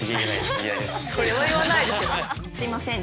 すいません。